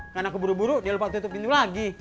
karena keburu buru dia lupa tutup pintu lagi